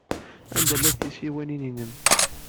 Anda llant tsiwanin-nnem?